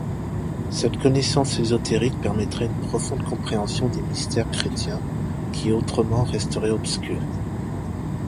Cette connaissance ésotérique permettrait une profonde compréhension des mystères chrétiens qui, autrement, resteraient obscurs.